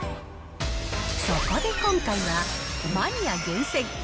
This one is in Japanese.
そこで今回は、マニア厳選！